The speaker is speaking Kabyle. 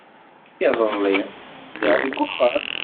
Iḍelli, lliɣ deg uxxam.